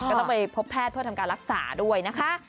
ก็ต้องไปพบแพทย์เพื่อทำการรักษาด้วยนะคะ